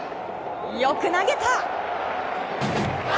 よく投げた！